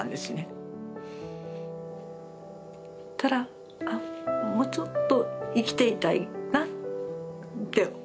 そしたらあもうちょっと生きていたいなって思いが。